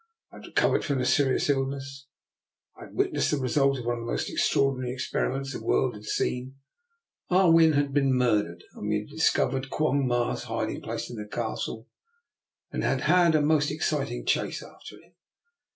I had recovered from a serious illness, had witnessed the result of one of the most extraordinary experiments the world had seen, Ah Win had been murdered, we had discovered Quong Ma's hiding place in the Castle, and had had a most exciting chase after him.